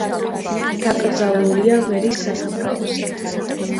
დაკრძალულია ვერის სასაფლაოზე.